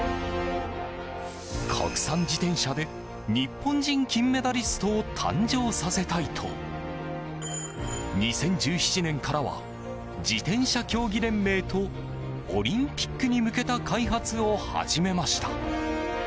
国産自転車で日本人金メダリストを誕生させたいと２０１７年からは自転車競技連盟とオリンピックに向けた開発を始めました。